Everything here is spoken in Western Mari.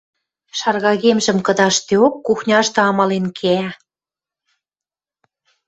Шаргагемжӹм кыдашдеок, кухняшты амален кеӓ.